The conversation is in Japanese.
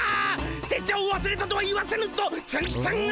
拙者をわすれたとは言わせぬぞツンツン頭！